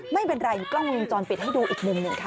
ไม่เป็นไรกล้องวงจรปิดให้ดูอีกมุมหนึ่งค่ะ